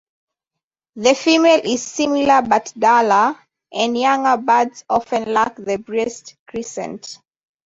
The female is similar but duller, and younger birds often lack the breast crescent.